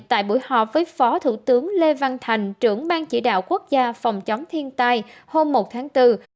tại buổi họp với phó thủ tướng lê văn thành trưởng ban chỉ đạo quốc gia phòng chống thiên tai hôm một tháng bốn